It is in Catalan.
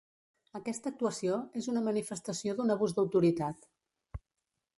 Aquesta actuació és una manifestació d'un abús d'autoritat.